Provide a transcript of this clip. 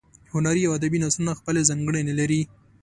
هنري او ادبي نثرونه خپلې ځانګړنې لري.